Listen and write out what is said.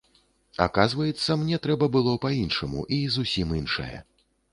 Аказваецца, мне трэба было па-іншаму і зусім іншае.